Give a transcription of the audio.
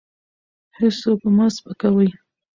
هېڅوک مه سپکوئ.